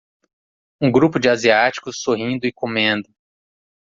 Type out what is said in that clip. Um grupo de asiáticos sorrindo e comendo